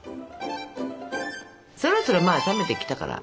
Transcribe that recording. そろそろまあ冷めてきたから。